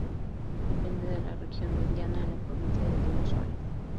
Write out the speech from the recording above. Depende de la región de Diana, en la provincia de Diego Suárez.